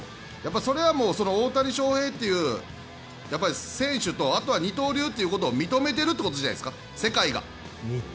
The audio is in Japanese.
それは大谷翔平という選手とあとは二刀流を認めているということじゃないですか、世界が。